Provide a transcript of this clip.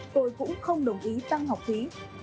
tôi cũng không đồng ý tăng học phí